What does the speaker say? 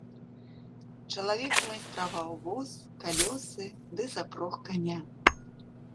Чалавек змайстраваў воз, калёсы ды запрог каня.